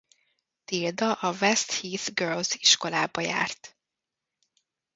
Tilda a West Heath Girls iskolába járt.